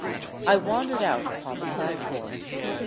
I wandered out upon the platform.